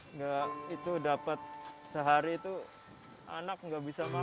enggak itu dapat sehari itu anak nggak bisa makan